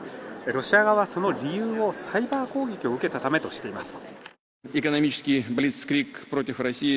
ロシア側はその理由をサイバー攻撃を受けたためとしています。